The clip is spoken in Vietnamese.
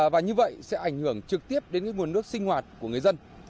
và như vậy sẽ ảnh hưởng trực tiếp đến nguồn nước sinh hoạt của người dân